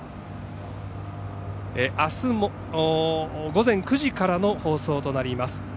あすも午前９時からの放送となります。